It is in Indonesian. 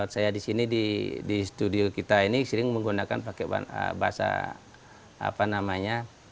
saya di sini di studio kita ini sering menggunakan pakai bahasa apa namanya